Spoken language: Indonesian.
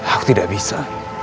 aku tidak bisa